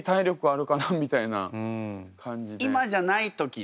今じゃない時で。